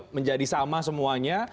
menjadi sama semuanya